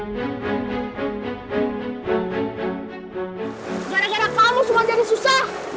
gara gara palu semua jadi susah